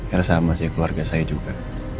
karena sama keluarga saya juga